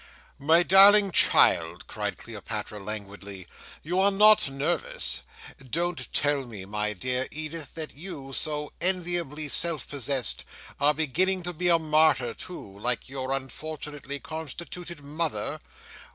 "My darling child," cried Cleopatra, languidly, "you are not nervous? Don't tell me, my dear Edith, that you, so enviably self possessed, are beginning to be a martyr too, like your unfortunately constituted mother!